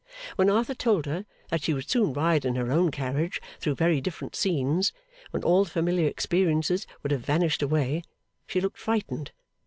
When Arthur told her that she would soon ride in her own carriage through very different scenes, when all the familiar experiences would have vanished away, she looked frightened.